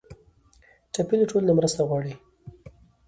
ټپي له ټولو نه مرسته غواړي.